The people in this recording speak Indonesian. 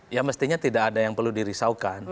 ya mestinya tidak ada yang perlu dirisaukan